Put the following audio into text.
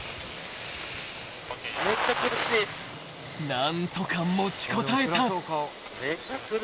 ［何とか持ちこたえた］